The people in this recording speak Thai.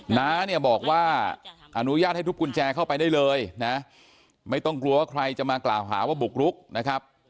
น้าเนี่ยบอกว่าอนุญาตให้ทุบกุญแจเข้าไปได้เลยนะไม่ต้องกลัวว่าใครจะมากล่าวหาว่าบุกรุกนะครับ